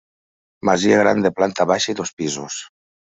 Masia gran de planta baixa i dos pisos.